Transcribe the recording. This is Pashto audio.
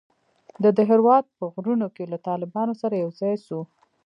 د دهراوت په غرونوکښې له طالبانو سره يوځاى سو.